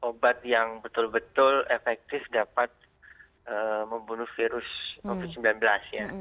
obat yang betul betul efektif dapat membunuh virus covid sembilan belas ya